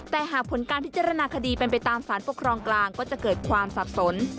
แต่หากผลการพิจารณาคดีเป็นไปตามสารปกครองกลางก็จะเกิดความสับสน